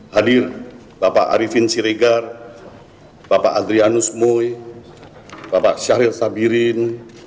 hadir bapak arifin siregar bapak adrianus mui bapak syahril sabirin